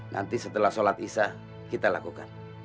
nanti setelah sholat isyah kita lakukan